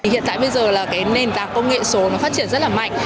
hiện tại bây giờ là nền tảng công nghệ số phát triển rất là mạnh